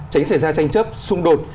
tránh xảy ra tranh chấp xung đột